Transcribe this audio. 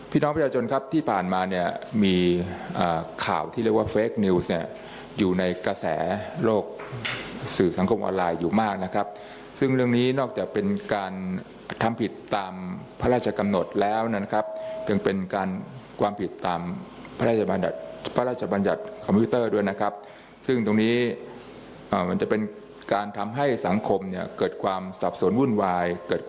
พี่น้องประชาชนครับที่ผ่านมาเนี่ยมีข่าวที่เรียกว่าเฟคนิวส์เนี่ยอยู่ในกระแสโลกสื่อสังคมออนไลน์อยู่มากนะครับซึ่งเรื่องนี้นอกจากเป็นการทำผิดตามพระราชกำหนดแล้วนะครับยังเป็นการความผิดตามพระราชบัญญัติพระราชบัญญัติคอมพิวเตอร์ด้วยนะครับซึ่งตรงนี้มันจะเป็นการทำให้สังคมเนี่ยเกิดความสับสนวุ่นวายเกิดค